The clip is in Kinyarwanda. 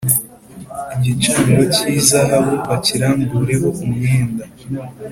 Igicaniro cy izahabu bakirambureho umwenda